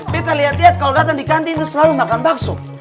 beda liat liat kalo datang di kantin itu selalu makan bakso